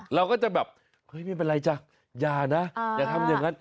เราก็จะแบบเฮ้ยไม่เป็นไรจ้ะอย่านะอย่าทำอย่างนั้น